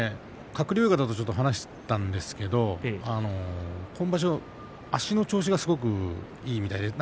鶴竜親方と話したんですが今場所は足の調子がすごくいいみたいです。